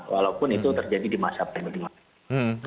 walaupun itu terjadi di masa pandemi